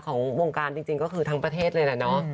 ของวงการจริงก็คือทั้งประเทศเลยแหละเนาะ